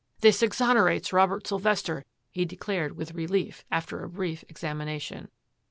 " This exonerates Robert Sylvester," he declared with relief, after a brief examination.